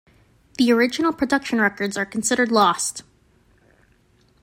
The original production records are considered lost.